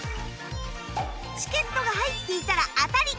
チケットが入っていたら当たり